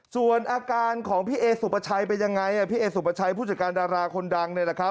ส่วนอาการของพี่เอสุปชัยเป็นยังไงพี่เอสุปชัยผู้จัดการดาราคนดังเนี่ยนะครับ